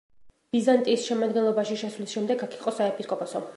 ბიზანტიის შემადგენლობაში შესვლის შემდეგ აქ იყო საეპისკოპოსო.